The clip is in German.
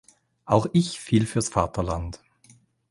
Auch ich fiel fürs Vaterland.